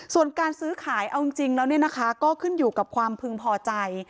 ส่วนการซื้อขายเอาจริงแล้วเนี่ยนะคะก็ขึ้นอยู่กับความพึงพอใจ